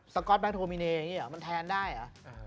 สก๊อตแมกนน์โทมิเนมันแทนได้รึ